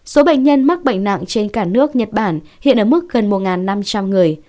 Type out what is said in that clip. số bệnh nhân mắc bệnh nặng trên cả nước nhật bản hiện ở mức gần một năm trăm linh người